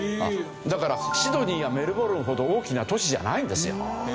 だからシドニーやメルボルンほど大きな都市じゃないんですよ。